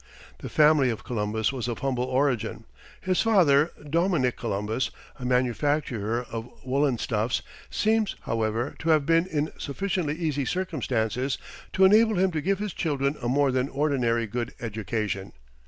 The family of Columbus was of humble origin; his father, Domenic Columbus, a manufacturer of woollen stuffs, seems, however, to have been in sufficiently easy circumstances to enable him to give his children a more than ordinarily good education.